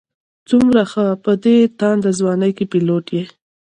څومره ښه په دې تانده ځوانۍ کې پيلوټ یې.